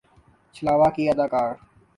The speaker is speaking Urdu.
چھلاوہ کی اداکار